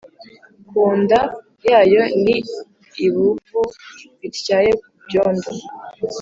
Ku nda yayo ni ib uvu bityaye Ku byondo